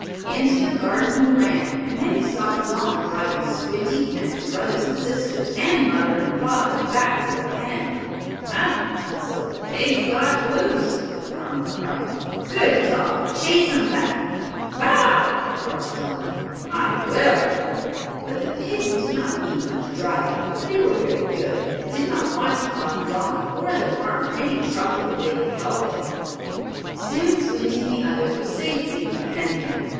Into the garden he ran, and then he saw Don driving Squinty, and his brothers and sisters, and mother and father, back to the pen. "Ha! So the pigs got loose!" the farmer cried. "Good dog! Chase 'em back!" "Bow wow!" barked Don. "I will!" But the pigs did not need much driving, for they were very good, and did not want to cause Don, or the farmer, any trouble if they could help it. Soon Squinty and the others were safely in the pen again.